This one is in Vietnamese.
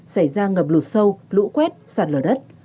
xảy ra ngập lụt sâu lũ quét sạt lở đất